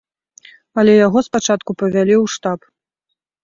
Але яго спачатку павялі ў штаб.